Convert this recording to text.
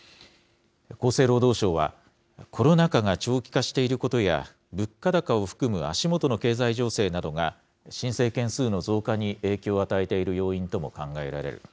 厚生労働省は、コロナ禍が長期化していることや、物価高を含む足もとの経済情勢などが、申請件数の増加に影響を与えている要因とも考えられる。